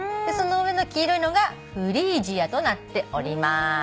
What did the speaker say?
その上の黄色いのがフリージアとなっております。